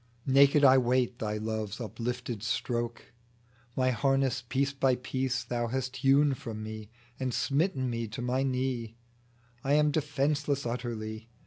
Naked I wait Thy love's uplifted stroke ! My harness piece by piece Thou hast hewn from me, And smitten me to my knee ; I am defenceless utterly.